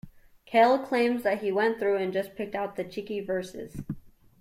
Cale claims that he went through and just picked out the cheeky verses.